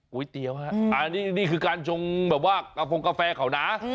ก๋วยเตี๋ยวฮะอันนี้นี่คือการชงแบบว่ากระพงกาแฟเขานะ